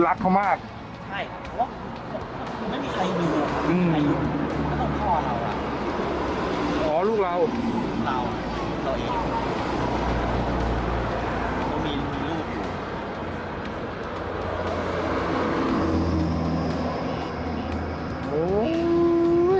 รักเขามากใช่นะคะเพราะว่าไว้